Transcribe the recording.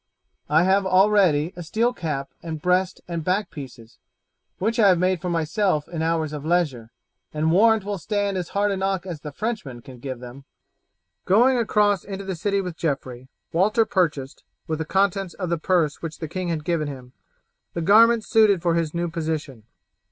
I have already a steel cap and breast and back pieces, which I have made for myself in hours of leisure, and warrant will stand as hard a knock as the Frenchmen can give them." Going across into the city with Geoffrey, Walter purchased, with the contents of the purse which the king had given him, the garments suited for his new position.